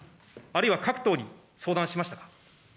あるいは各党に相談しましたか。